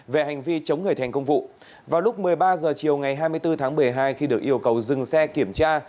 về hành vi chống người thành công vụ vào lúc một mươi ba h chiều ngày hai mươi bốn tháng một mươi hai khi được yêu cầu dừng xe kiểm tra